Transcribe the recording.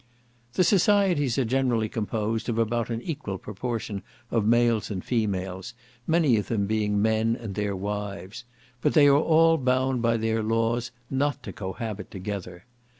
The societies are generally composed of about an equal proportion of males and females, many of them being men and their wives; but they are all bound by their laws not to cohabit together.